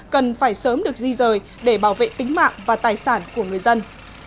cần phải sớm được di rời để bảo vệ tính mạng và tài sản của người dân